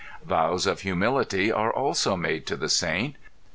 Vows of humility are also made to the saint.